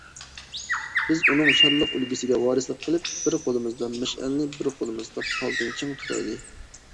بىز ئۇنىڭ شانلىق ئۈلگىسىگە ۋارىسلىق قىلىپ، بىر قولىمىزدا مەشئەلنى، بىر قولىمىزدا پالتىنى چىڭ تۇتايلى!